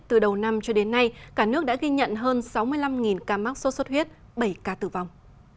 từ đầu năm cho đến nay cả nước đã ghi nhận hơn sáu mươi năm ca mắc sốt xuất huyết bảy ca tử vong